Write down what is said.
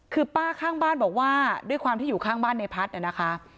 คือป้าข้างบ้านบอกว่าด้วยความที่อยู่ข้างบ้านในพัฒน์นะคะ